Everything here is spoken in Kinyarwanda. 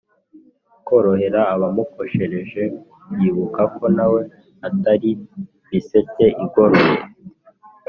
korohera abamukoshereje yibuka ko na we atari miseke igoroye